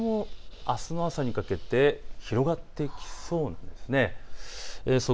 これもあすの朝にかけて広がっていきそうなんです。